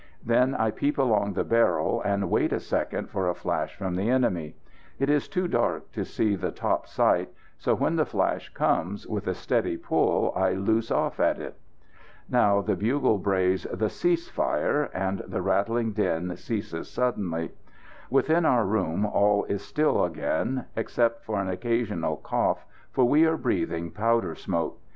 Then I peep along the barrel, and wait a second for a flash from the enemy. It is too dark to see the top sight, so when the flash comes, with a steady pull I loose off at it. Now the bugle brays the "Cease fire," and the rattling din ceases suddenly. Within our room all is still again, except for an occasional cough, for we are breathing powder smoke.